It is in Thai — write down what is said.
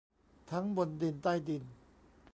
ทั้งบนดินใต้ดิน